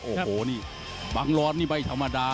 โอ้โหนี่บังร้อนนี่ไม่ธรรมดา